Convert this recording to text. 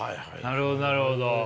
なるほどなるほど。